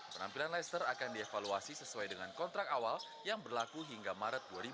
penampilan leicester akan dievaluasi sesuai dengan kontrak awal yang berlaku hingga maret dua ribu dua puluh